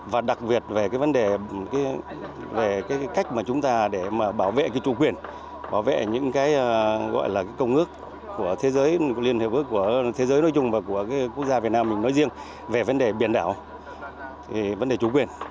và đặc biệt về cái vấn đề về cái cách mà chúng ta để mà bảo vệ cái chủ quyền bảo vệ những cái gọi là công ước của thế giới liên hiệp ước của thế giới nói chung và của quốc gia việt nam mình nói riêng về vấn đề biển đảo vấn đề chủ quyền